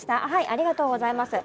ありがとうございます。